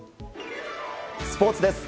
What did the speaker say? スポーツです。